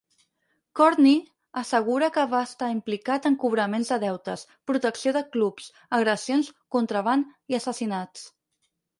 Courtney assegura que va estar implicat en cobraments de deutes, protecció de clubs, agressions, contraban i assassinats.